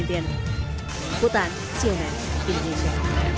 ikutan cnn indonesia